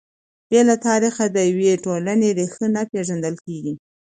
بې له تاریخه د یوې ټولنې ريښې نه پېژندل کیږي.